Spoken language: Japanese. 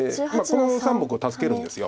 この３目を助けるんです。